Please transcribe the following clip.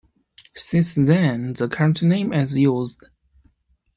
Since then, the current name is used.